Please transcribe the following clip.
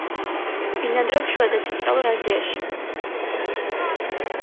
ბინადრობს შუა და ცენტრალურ აზიაში.